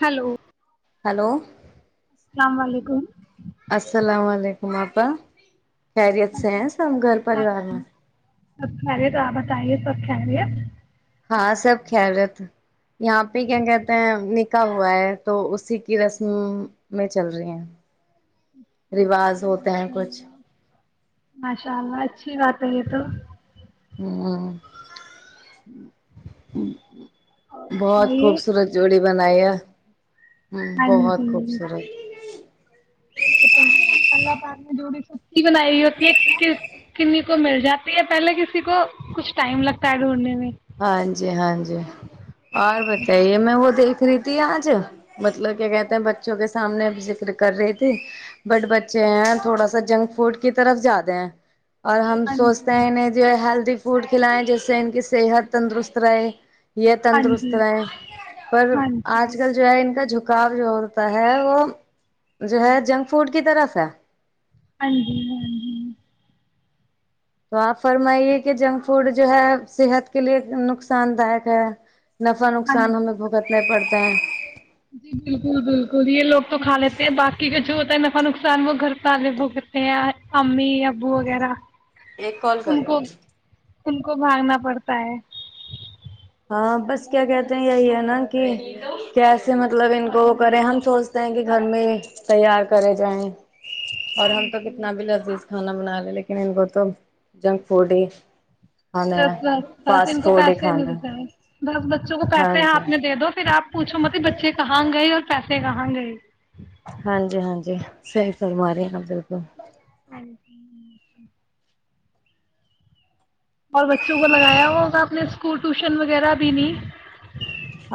Hello hello السلام و علیکم السلام و علیکم آپا خیریت سے ہیں سب گھر پریوار میں سب خیریت ہے تو آپ بتائیے سب خیریت ہے ہاں سب خیرت یہاں پہ کیا کہتے ہیں نکاح ہوا ہے تو اسی کی رسمیں چل رہی ہیں رواج ہوتا ہیں ماشاء کچھ اللہ ماشاء اللہ اچھی بات ہے یہ تو ہوں اور [inaudible] بہت بتائیے خوبصورت جوڑی بنایا ہاں بہت جی خوبصورت اللہ پاک نے جوڑی سبھی کی بنائی ہوئی ہوتی ہے کسی کو مل جاتی ہے پہلے کسی کو کچھ ٹائم لگتا ہے ڈھونڈنے میں ہاں جی ہاں جی اور بتائیے میں وہ دیکھ رہی تھی آج مطلب کیا کہتے ہیں بچوں کے سامنے ذکر کر رہی تھی بٹ بچے ہیں تھوڑا سا جنک فوڈ کی طرف جیادے ہیں اور ہم ہاں سوچتے جی ہیں انہیں جو ہیلدی فوٹ کھلائیں جس سے ان کی صحت تندرست رہے یہ ہاں تندرست جی رہے پر ہاں جی آج ہاں جی کل جو ہے ان کا جک گاب جو ہوتا ہے وہ جو ہے جنک فوڈ کی طرف ہے ہاں جی ہاں جی تو آپ فرمائیے کہ جنک فوڈ جو ہے صحت کے لیے نقصان دایںک ہے نفع ہاں نقصان جی ہمیں بھگتنا پڑتا [inaudible] جی بالکل بالکل یہ لوگ تو کھا لیتے ہیں باقی کا جو تو ن کاا نقصان وہ گھر پہ آدمی بھوگتیں ہیں امی ابو وغیرہ ایک کال کر رہا ہوں تم کو بھاگنا پڑتا ہے ہاں بس کیا کہتے ہیں یہی ہے نا کہ کیسے مطلب ان کو وہ کرے ہم سوچتے ہیں کہ گھر میں تیار کرے جائیں اور ہاں ہم تو جی کتنا بھی لذیذ کھانا بن ل لیکنن گت جنک فوڈ ہی کھانا دس ہے بس بس ان فاسٹ کو فوڈ ہی پیسے کھانا ملتے ہے۔ ہیں دس بچوں کو ہاں پیسے ہیں جی آپ نے دے دو پھر آپ پوھو متی بچے کہاں گئے اور پیسے کہاں گ ہاں جی ہاں جی صحی بماری ن بالکل [inaudible] اور بچوں کو لگایا ہوا ہوگا اپ نے اسکول ٹیوشن وغیرہ بھی نہیں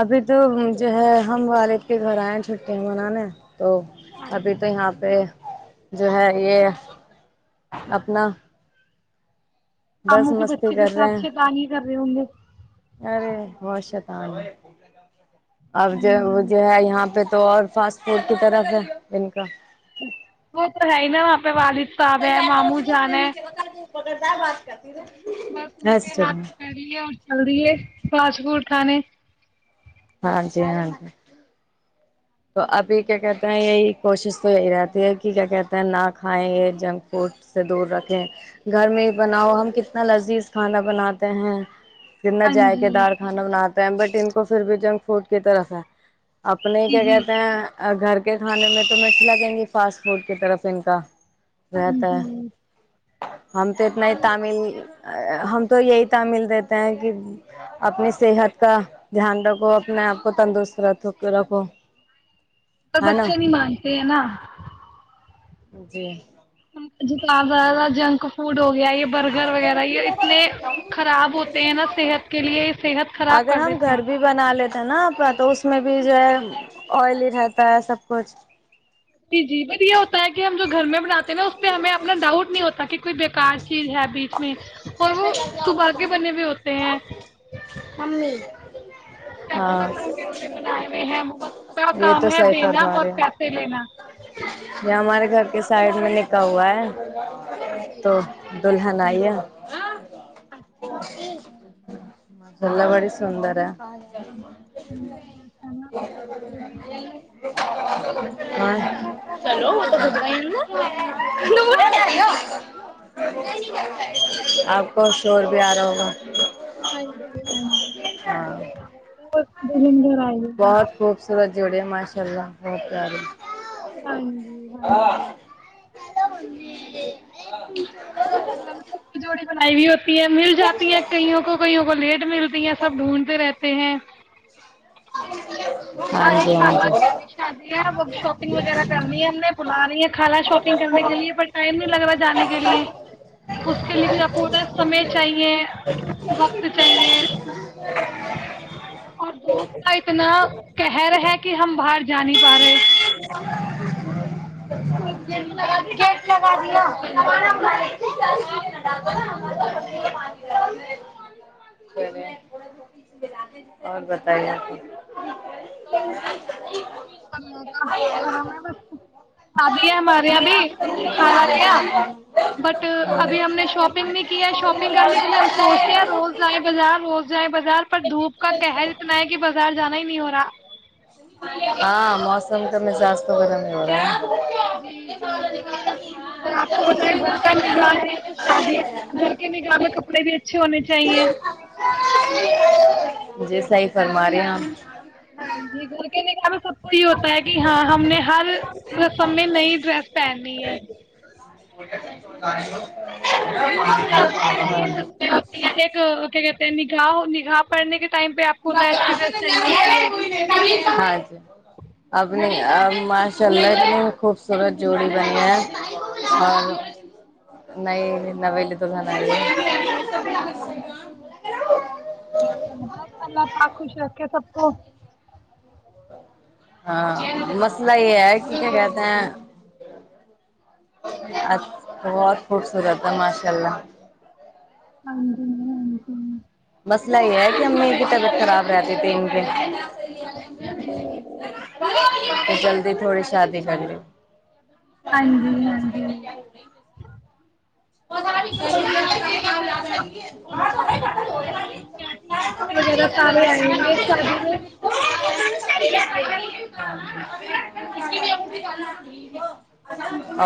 ابھی تو جو ہے ہم والد کے گھر آئے چھٹی منانے تو ہاں ابھی جی تو یہاں پہ جو ہے یہ اپنا بس اموں کے مستی بچے کے کر رہے ساتھ ہیں شتانی کر رہے ہوں گے ہاں اب جو وہ جی جو ہے یہاں پہ تو اور فاسٹ فوڈ کی طرف ہے ان کا وہ تو ہے ہی نا وہاں پہ والی و ہے معاموں جان فکت جا بات کر بس ان کے ہاتھ پک رہیے اور چل رہیے فاسٹ فوڈ کھانے ہاں جی ہاں جی تو ابھی کیا کہتے ہیں یہی کوشش تو یہی رہتی ہے کہ کیا کہتے ہیں نہ کھائیں یہ جنک فوڈ سے دور رکھیں گھر میں ہی بناؤ ہم کتنا لذیذ کھانا بناتے ہیں کتنا ہاں جائقے جی دار کھانا بناات بٹ ان کو پھر بھی جنک فوڈ کی طرف ہے اپنے جی کیا کہ جی گھر کے کھانے میں تو میں لگیں گی فاسٹ فوڈ کی طرف ان کا ہاں رہتا جی ہے ہم تو اتنا ہی تامل ہم تو یہی تعمیل دیتے ہیں کہ اپنی صحت کا دھیان رکھو اپنے آپ کو تندرست رکھ رکھو ہے نا بچے نہیں مانتے ہیں نا جی جت [unintelligible] ااجنک فوڈ ہو گیا یہ برگر وغیرہ یہ اتنے خراب ہوتے ہیں نا صحت کے لیے صحت خراب اگر کر ہم دیتے گھر ہیں بھی بنا لیتے نا اپنا تو اس میں بھی جو ہے آئلی رہتا ہے سب کچھ جی جی بٹ یہ ہوتا ہے کہ ہم جو گھر میں بناتے ہیں نا اس پہ ہمیں اپنا ڈاؤٹ نہیں ہوتا کہ کوئی کانچ [unintelligible] چیز ہے بیچ میں اور وہ سباگیہ بنے ہوئے ہوتے ہیں کیا پتا ہاں کب کے انہوں نے بنائے ہوئے ہیں م کا یہ تو کام ہے صحیح دینا فرما اور رہے ہیں پیسے لینا یہ ہمارے گھر کے سائڈ میں لکھا ہوا ہے تو اچھا [unintelligible] اچھا مجلہ بڑی سندر ہے ماشاء اللہ [inaudible] تم کی جوڑی ہاں اللہ پاک چلو ایسے ہی رکھے آپ کو شور بھی آ رہا ہوگا ہاں جی ہاں جولندندھر آئے گ [unintelligible] جڑے ماشاء اللہ بہت پیاری ہاں جی ہاں جی الو سب کی جوڑی بنائی ہوئی ہوتی یہ مل جاتی ہے کئیوں کو کئیوں کو لیٹ ملتی ہیں سب ڈھونڈتے رہتے ہیں ہماری ہاں جی خانہ کی ہاں بھی شادی ہے وہ شاپنگ وغیرہ کرنی ہے ہم نے بلا رہی ہے کالہ شاپنگ کرنے کے لیے پر ٹائم نہیں لگ رہا جانے کے لیے اس کے لیے بھی آپ کو بتا ہے سمے چاہیے وقت چاہیے اور دوست کا اتنا کہہ رہے کہ ہم باہر جا نہیں پا رہے جی گیٹ لگا اس دیا وجہ سے چلے اور بتائیے آپ بہت م آپ ب شادی ہے ہمارے یہاں بھی خالک یہاں بٹ ابھی ہم نے شاپنگ نہیں کیا ہے شاپنگ کرنے کے لیے ہم سوچتے ہیں روز جائیں بازار روز جائیں بازار پر دھوپ کا قہر اتنا ہے کہ بازار جانا ہی نہیں ہو رہا ہاں موسم تو مزاج تو گرم نہیں ہو رہا ہے جی جی اور اپ کو پتہ ہے گھر کا نکاح ہے تو شادی گھر کے نکاح میں کپڑے بھی اچھے ہونے چاہیے جی صحیح فرما رہے ہیں آپ [inaudible] یہ گھر کے نکاح سب کو یہ ہوتا ہے کہ ہاں ہم نے ہر رسم میں نئی ڈریس پہنی ہے جی آپ کو تو ایک کیا کہتے ہیں نکاح نکاح پڑنے کے ٹائم پہ آپ کوتا ہے اچھی ڈریس چاہیے ہوتی ہے ہاں جی اپنے اب اللہ نے خوبصورت جوڑی بنا ہے نئ نویلی دلہن ارہی ہے اللہ پاک خوش رکھے سب کو ہاں مسلہ یہ ہے کہ کیا کہتے ہیں بہت خوبصورت ہے ماشاءاللہ ہاں جی نہیں ہاں جی مسئلہ یہ ہے کہ امی کی طبیعت خراب رہتی تھی ان کے [unintelligible] جلدی تھوڑی شادی کر لو ہاں جی ہاں جی اور اپ کے سارے خالہ وہ سب کے بچے وغیرہ آئے ہوں بیٹھ کے اپ کی وغیرہ سارے ائے ہوں گے شادی میں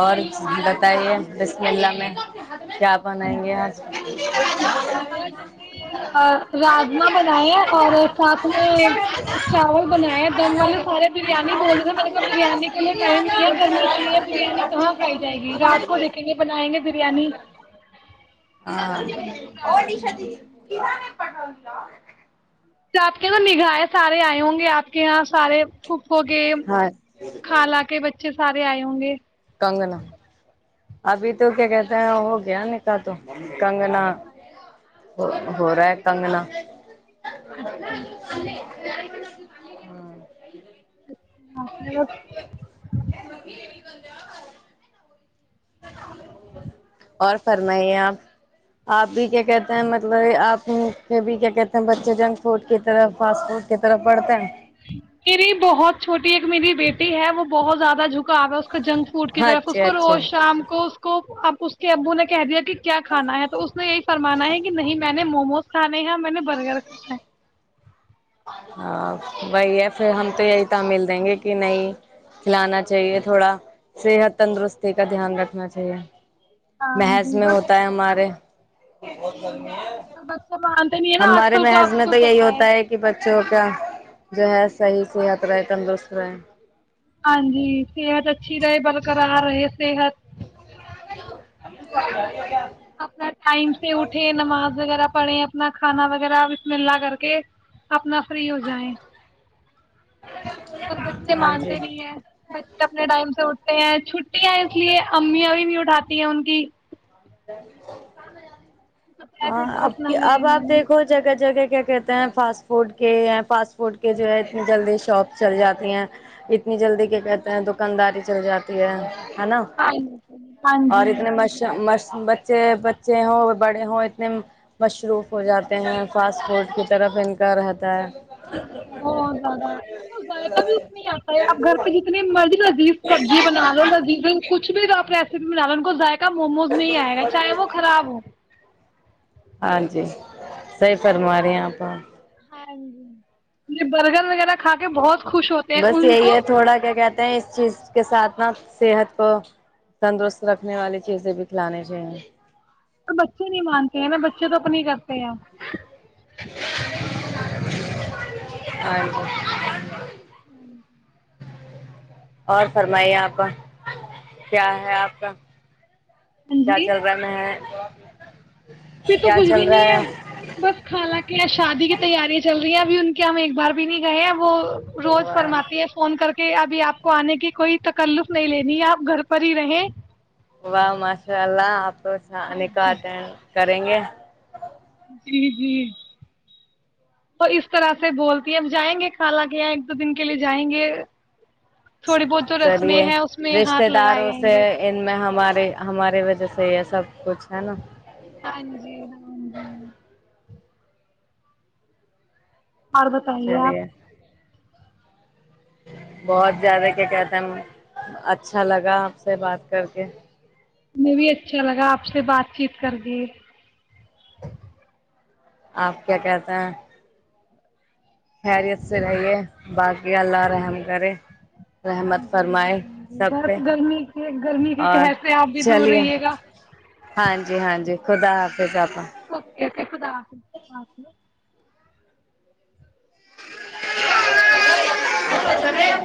اور بتائیے بسم اللہ میں کیا ہاں بنائیں جی گے آج [unintelligible] آج ہم نے راجما بنایا ہے اور ساتھ میں چاول بنایا دم والے سارے بریانی بول رہے ہیں میں نے کہا بریانی کے لیے ٹائم نہیں ہے گرمی کے لیے بریانی کہاں کھائی جائے گی رات کو آج دیکھیں گے بنائیں گے بریانی ہاں ابھی تو راجما چاول ہی ہے۔ [unintelligible] [unintelligible] اچھا آپ کے سارے ائے ہوں گے آپ یہاں سارے پھپو کے خالہ کے بچے سارے آئے ہوں گے کنگنا ابھی تو کیا کہتے ہیں ہو گیا نہ کہا تو کنگنا ہو رہا ہے کنگنا [inaudible] [inaudible] اچھا اچھا آپ نے بس [inaudible] اور فرمائیں آپ آپ بھی کیا کہتے ہیں مطلب آپ ان سے بھی کیا کہتے ہیں بچے جنگ فوڈ کی طرف فاسٹ فوڈ کی طرف بڑھتے ہیں میری بہت چھوٹی ایک میری بیٹی ہے وہ بہت زیادہ جھنگ آ گا اس کو جنک فوڈ کی طرف اس اچھا کو اچھا روز شام کو اس کو اب اس کے ابو نے کہہ دیا کہ کیا کھانا ہے تو اس نے یہی فرمانا ہے کہ نہیں میں نے موموز کھانے ہیں میں نے برگر کھانا ہے ہاں وہی ہے پھر ہم تو یہی تعمیل دیں گے کہ نہیں کھلانا چاہیے تھوڑا صحت تندرستی کا دھیان رکھنا چاہیے ہاں محض جی میں بس ہوتا ہے ہمارے بہت گرمی ہے بچے مانتے نہیں ہے نا آج ہمارے کل کو محض آپ میں کو تو یہی پتہ ہوتا ہے کہ بچوں کیا جو ہے صحیح صیحت رہے تندرست رہے ہاں جی صیحت اچھی رہے برقرار رہے صیحت [inaudible] ٹائم سے اٹھے نماز وغیرہ پڑھیں اپنا کھانا وغیرہ بسم اللہ کر کے اپنا فری ہو جایں پر بچے ہاں جی مانتے نہیں ہیں بچے اپنے ٹائم سے اٹھ چھٹیاں ہیں اس لیے امی یاں بھی نہی اٹھاتی ہیں ان کی [inaudible] ہاں ایسے تو اب اٹھنا ہی ہے اب آپ انہوں نے دیکھو جگہ جگہ کیا کہتے ہیں فاسٹ فوڈ کے فاسٹ فوڈ کے جو ہے اتنی جلدی شاپ چل جاتی ہیں اتنی جلدی کیا کہتے ہیں دکانداری چل جاتی ہے ہے نہ ہاں جی اور اتنے مشا بچے بچے ہوں بڑے ہوں اتنے مصروف ہو جاتے ہیں فاسٹ فوڈ کی طرف ان کا رہتا ہے بہت زیادہ تو ذائقہ بھی اتنا ہی اتا ہے آپ گھر پہ جتنی مرضی سبزی بنا لو لزیز کچھ بھی تو آپ ریسیپی بنا لو کو ذایقہ کا موموز میں ہی آئے گا چاہے وہ خراب ہو ہاں جی صحی فرما رہی ہیں آپ ہاں جی یہ برگر وغیرہ کھا کے بہت خوش ہوتے ہیں بس ان یہی کو ہے تھوڑا کیا کہتے ہیں اس چیز کے ساتھ نہ صیحت کو تندرست رکھنے والی چیزیں بھی کھلانی چاہیے اور بچے نہیں مانتے ہیں نہ بچے تو اپنی ہی کرتے کیا اور اور فرمائیے آپا کا کیا ہے آپ کا ہاں کیا چل رہا ہے میں [inaudible] پھر تو کیا کچھ چل بھی نہیں رہا ہے بس خالا کے یہاں شادی کی تیاریاں چل رہی ہیں ابھی ان کہ ہم ایک بار بھی نہیں گئے ہیں وہ ہے روز واہ فرماتی ہے فون کر کے آ بھی آپ کو آنے کی کوئی تکلف نہیں لینی ہے آپ گھر پر ہی رہے واہ ماشاء اللہ اپ ہاں جی [inaudible] کریں گے جی جی وہ اس طرح سے بولتی ہیں اب جائیں گے خالا کے ایک دو دن کے لیے جائیں گے تھوڑی بہت جو رسمیں چلیے ہیں اس میں رشتتے ہاتھ لگائے داروں جائیں سے گے ان میں ہمارے ہماری وجہ سے یہ سب کچھ ہے نا ہاں جی ہاں جی اور بتائیے آپ چلیے بہت زیادہ کیا کہتے ہیں اچھا لگا آپ سے بات کر کے میں بھی اچھا لگا آپ سے بات چیت کر د آپ کیا کہتے ہیں خیریت سے رہیے باقی اللہ رحم کرے ہاں رحمت جی ہاں فرمائے ج سب برف پہ گرمی کے گرمی کے اور قر سے آپ بھی دور چلیے رہے گا ہاں جی ہاں جی خدا حافظ اپا [inaudible] خدا حافظ [inaudible]